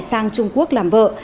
sang trung quốc làm vợ